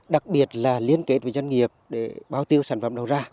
đặc biệt là liên kết với dân nghiệp để báo tiêu sản phẩm đầu ra